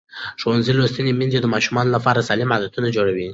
ښوونځې لوستې میندې د ماشومانو لپاره سالم عادتونه جوړوي.